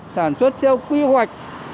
sản xuất theo quy hoạch